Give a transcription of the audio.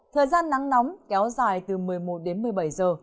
thời gian nắng nóng kéo dài từ một mươi một đến một mươi bảy giờ